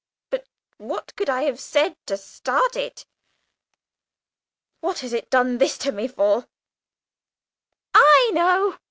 But what could I have said to start it? What has it done this to me for?" "I know!"